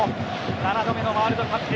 ７度目のワールドカップ。